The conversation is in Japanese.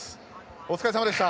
お疲れさまでした。